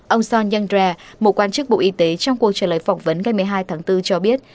ông son yander một quan chức bộ y tế trong cuộc trả lời phỏng vấn ngày một mươi hai tháng bốn cho biết